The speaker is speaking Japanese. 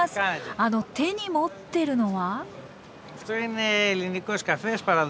あの手に持ってるのは？